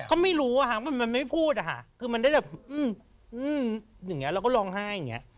ก็ไม่รู้มันไม่พูดคือมันได้แบบอื้มเราก็ร้องไห้